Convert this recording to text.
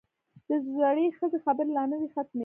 د زړې ښځې خبرې لا نه وې ختمې.